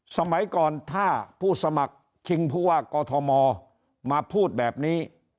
สมัยก่อนถ้าผู้สมัครชิงผู้ว่ากอทมมาพูดแบบนี้